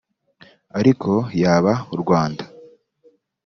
Ariko yaba u Rwanda